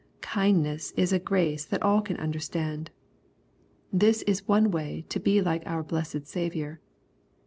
Kindness is a grace that all can understand. — This is one way to be like our blessed Saviour.